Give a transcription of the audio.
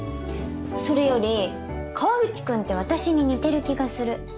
それより河口君って私に似てる気がする。